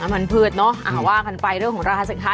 มันพืชเนอะว่ากันไปเรื่องของราคาสินค้า